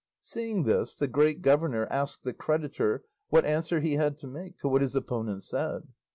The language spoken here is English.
Seeing this the great governor asked the creditor what answer he had to make to what his opponent said.